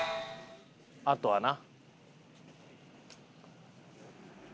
あとはな。